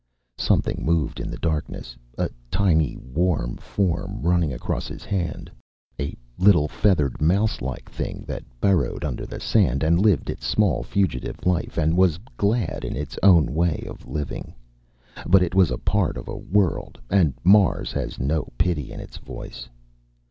_ Something moved in the darkness, a tiny warm form running across his hand, a little feathered mouse like thing that burrowed under the sand and lived its small fugitive life and was glad in its own way of living. But it was a part of a world, and Mars has no pity in its voice.